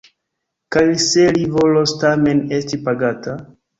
Kaj se li volos tamen esti pagata?